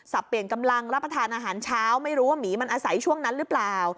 เปลี่ยนกำลังรับประทานอาหารเช้าไม่รู้ว่าหมีมันอาศัยช่วงนั้นหรือเปล่า